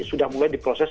sudah mulai diproses